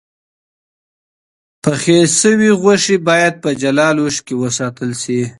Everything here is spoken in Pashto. پخې شوې غوښې باید په جلا لوښو کې وساتل شي.